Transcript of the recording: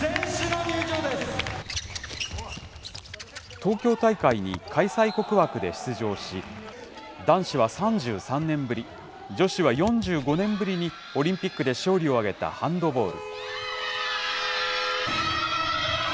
東京大会に開催国枠で出場し、男子は３３年ぶり、女子は４５年ぶりに、オリンピックで勝利を挙げたハンドボール。